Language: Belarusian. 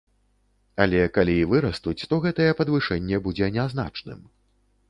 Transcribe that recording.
Але калі і вырастуць, то гэтае падвышэнне будзе нязначным.